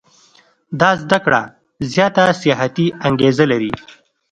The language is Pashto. دا زده کړه زیاته سیاحتي انګېزه لري.